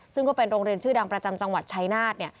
ซึ่งก็เป็นโรงเรียนชื่อดังประจำจังหวัดชายนาฏ